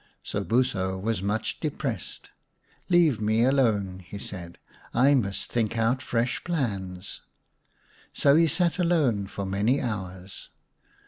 Sobuso was much depressed. " Leave me alone," he said. " I must think out fresh plans." So he sat alone for many hours.